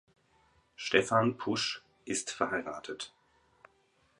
Stephan Pusch ist verheiratet.